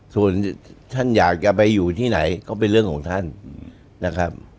ส่วนท่านอยากจะไปอยู่ที่ไหนก็เป็นเรื่องของท่านนะครับ